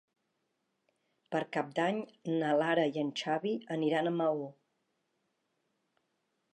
Per Cap d'Any na Lara i en Xavi aniran a Maó.